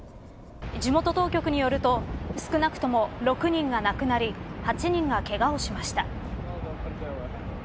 地元当局によると少なくとも６人が亡くなり８人が、けがをしました。